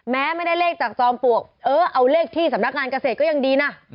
แม้ไม่ได้เลขจากจอมปลวกเออเอาเลขที่สำนักงานเกษตรก็ยังดีนะ